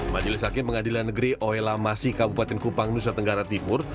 majelis hakim pengadilan negeri oela masih kabupaten kupang nusa tenggara timur